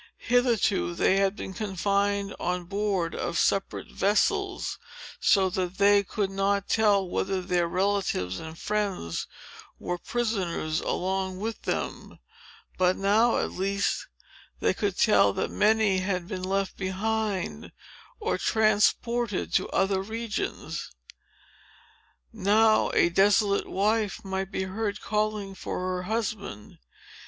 Hitherto, they had been confined on board of separate vessels, so that they could not tell whether their relatives and friends were prisoners along with them. But, now, at least, they could tell that many had been left behind, or transported to other regions. Now, a desolate wife might be heard calling for her husband.